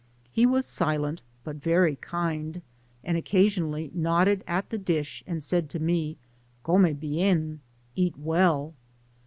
He was silent, but very kindy and occasionally nodded at the dish and said to me, " Come bien!'' (Eat well.)